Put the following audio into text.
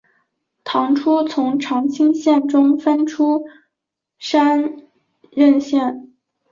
唐初从长清县中分出山荏县。